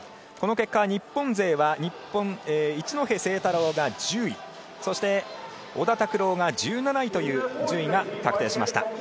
この結果、日本勢は一戸誠太郎が１０位そして、小田卓朗が１７位という順位が確定しました。